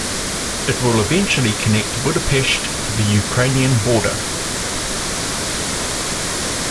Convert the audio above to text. It will eventually connect Budapest to the Ukrainian border.